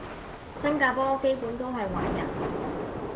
新加坡基本都係華人